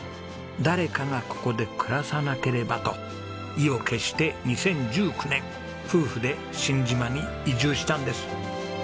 誰かがここで暮らさなければと意を決して２０１９年夫婦で新島に移住したんです。